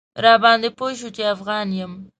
راباندې پوی شو چې افغان یم.